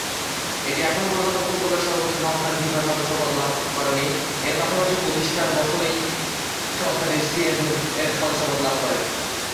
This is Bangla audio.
এটি এখন পর্যন্ত ফুটবলের সর্বোচ্চ সংস্থা ফিফার সদস্যপদ লাভ করেনি, এর পাশাপাশি প্রতিষ্ঠার বছরেই সংস্থাটি সিএফএফ-এর সদস্যপদ লাভ করে।